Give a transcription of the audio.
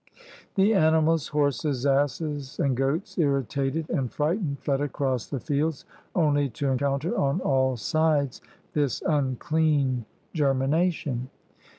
The animals, horses, asses, and goats, irritated and frightened, fled across the fields, only to encounter on all sides this unclean germination.